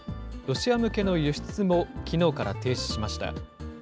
ロシア向けの輸出もきのうから停止しました。